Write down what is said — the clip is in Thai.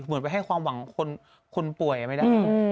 เหมือนไปให้ความหวังคนป่วยไม่ได้